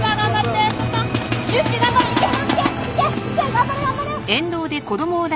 頑張れ頑張れ！